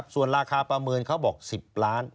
ส่วนราคาประเมินเขาบอก๑๐ล้าน